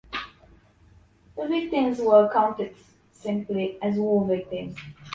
The victims were counted simply as war victims.